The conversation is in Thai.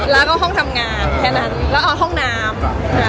แล้วก็ห้องทำงานแค่นั้นแล้วเอาห้องน้ำ